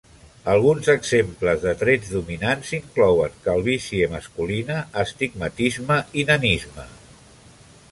Alguns exemples de trets dominants inclouen: calvície masculina, astigmatisme i nanisme.